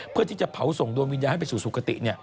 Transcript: เพื่อที่จะเผาส่งดวงวิญญาณให้ไปสู่สุขติ